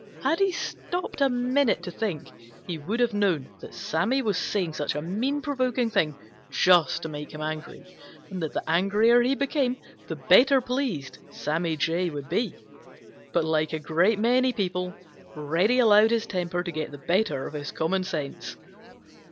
Had he stopped a minute to think, he would have known that Sammy was saying such a mean, provoking thing just to make him angry, and that the angrier he became the better pleased Sammy Jay would be. But like a great many people, Reddy allowed his temper to get the better of his common sense.